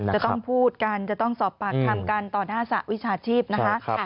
จะต้องพูดกันจะต้องสอบปากคำกันต่อหน้าสหวิชาชีพนะคะ